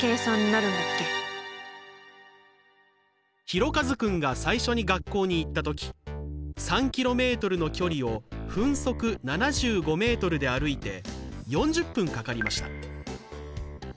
ひろかずくんが最初に学校に行った時３ｋｍの距離を分速７５ｍで歩いて４０分かかりました。